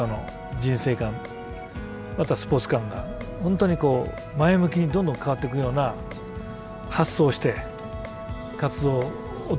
またスポーツ観が本当に前向きにどんどん変わっていくような発想をして活動をお互いつくっていく。